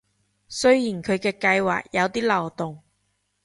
雖然佢嘅計畫有啲漏洞